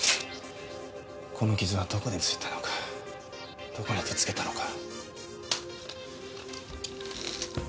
この傷はどこでついたのかどこにぶけたのか。